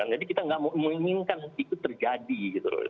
jadi kita nggak mau menginginkan itu terjadi gitu loh